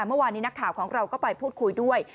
เมื่อวานนี้นักข่าวของเราก็ไปพูดคุยด้วย